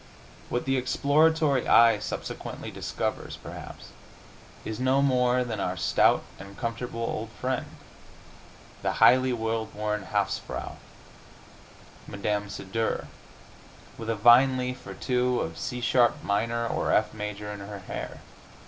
What the exploratory eye subsequently discovers, perhaps, is no more than our stout and comfortable old friend, the highly well born hausfrau, Mme. C Dur with a vine leaf or two of C sharp minor or F major in her hair.